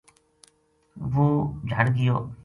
وہ جھڑ گیو